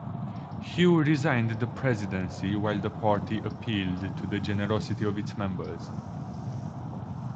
Hue resigned the Presidency while the Party appealed to the generosity of its members.